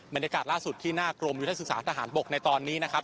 บรรยากาศล่าสุดที่หน้ากรมยุทธศึกษาทหารบกในตอนนี้นะครับ